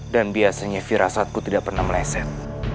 dan biasanya firasatku tidak pernah meleset